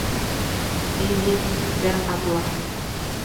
Эйе, бер ҡатлы